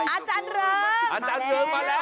อาจารย์เริงมาแล้ว